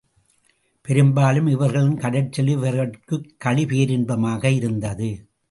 பெரும்பாலும் இவர்களின் கடற்செலவு இவர்கட்குக் கழி பேரின்பமாக இருந்தது.